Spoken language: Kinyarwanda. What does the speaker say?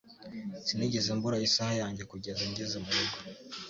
Sinigeze mbura isaha yanjye kugeza ngeze murugo